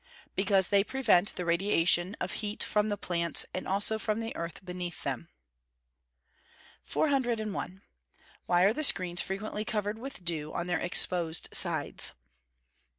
_ Because they prevent the radiation of heat from the plants, and also from the earth beneath them. 401. _Why are the screens frequently covered with dew on their exposed sides?